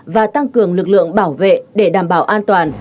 và tăng cường lực lượng bảo vệ để đảm bảo an toàn